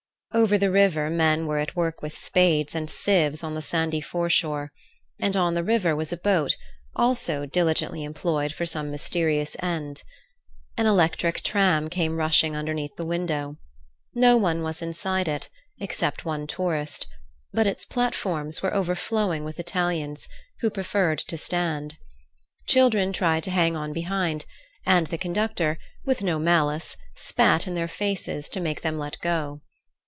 Over the river men were at work with spades and sieves on the sandy foreshore, and on the river was a boat, also diligently employed for some mysterious end. An electric tram came rushing underneath the window. No one was inside it, except one tourist; but its platforms were overflowing with Italians, who preferred to stand. Children tried to hang on behind, and the conductor, with no malice, spat in their faces to make them let go.